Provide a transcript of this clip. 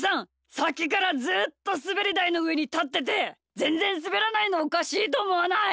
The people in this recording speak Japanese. さっきからずっとすべりだいのうえにたっててぜんぜんすべらないのおかしいとおもわない？